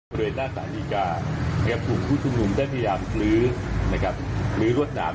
โดยหน้าสาธาริกานะครับผู้ชุมนุมได้พยายามรื้อรวดหนาม